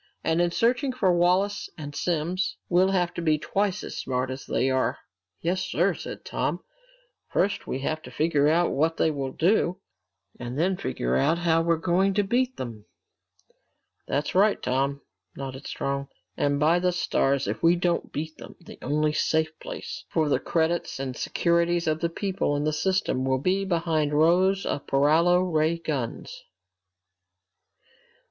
And in searching for Wallace and Simms, we'll have to be twice as smart as they are!" "Yes, sir," said Tom. "First we have to figure out what they will do, and then figure out how we're going to beat them!" "That's right, Tom," nodded Strong. "And by the stars, if we don't beat them, the only safe place left for the credits and securities of the people in the system will be behind rows of paralo ray guns!"